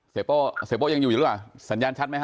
เสียโป้ยังอยู่อยู่หรือเปล่าสัญญาณชัดไหมฮ